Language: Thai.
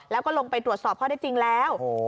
แล้วก็ลงไปตรวจสอบข้อได้จริงแล้ว